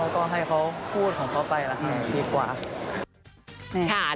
ก็ให้เขาพูดของเขาไปละครับ